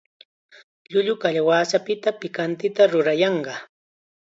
Llullu kalawasapita pikantita rurayanqa.